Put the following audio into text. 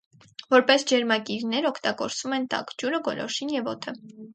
Որպես ջերմակիրներ օգտագործվում են տաք ջուրը, գոլորշին և օդը։